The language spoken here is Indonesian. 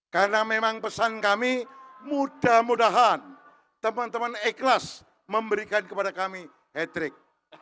karena memang pesan kami mudah mudahan teman teman ikhlas memberikan kepada kami hat trick